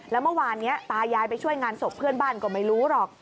แล้วเมื่อวานนี้ตายายไปช่วยงานศพเพื่อนบ้านก็ไม่รู้หรอก